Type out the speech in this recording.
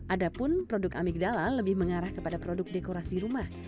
adapun produk amigdala lebih mengarah kepada produk dekorasi rumah